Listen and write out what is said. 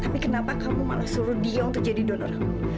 tapi kenapa kamu malah suruh dia untuk jadi pendonor